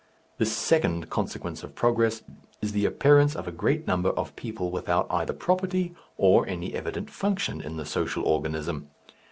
This second consequence of progress is the appearance of a great number of people without either property or any evident function in the social organism.